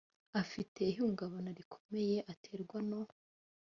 afite ihungabana rikomeye aterwa no